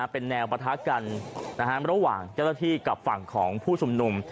เป็นแนวปะทะกันระหว่างเจ้าหน้าที่กับฝั่งของผู้ชุมนุม